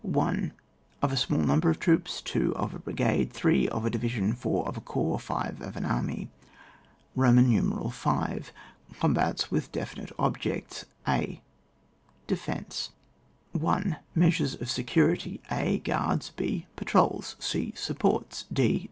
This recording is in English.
1. Of a small number of troops. 2. Of a brigade. 3. Of a diyision. 4. Of a corps. 5. Of an army. v.— COMBATS WITH DEFINITE OBJECTS. A.— Defence. 1. Measures of security. a. Guards, h. Patrols, c. Supports. d.